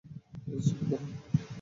Please, চুপ করুন।